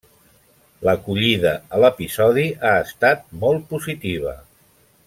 L'acollida a l'episodi ha estat molt positiva.